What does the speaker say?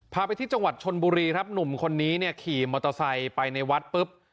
พาไปที่จังหวัดชนบุรีครับหนุ่มคนนี้เนี่ยขี่มอเตอร์ไซค์ไปในวัดปุ๊บ